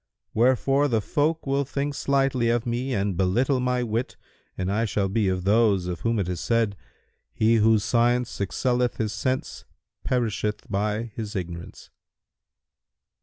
Wherefore the folk will think slightly of me and belittle my wit and I shall be of those of whom it is said, 'He whose science excelleth his sense perisheth by his ignorance.'"